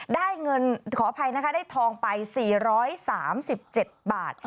ได้เงินขออภัยนะคะได้ทองไป๔๓๗บาท